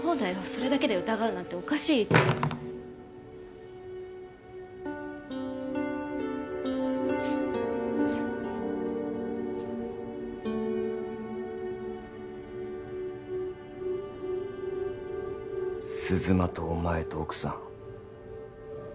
それだけで疑うなんておかしい鈴間とお前と奥さん